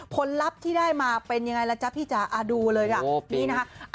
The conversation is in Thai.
ลัพธ์ที่ได้มาเป็นยังไงล่ะจ๊ะพี่จ๋าดูเลยค่ะนี่นะคะ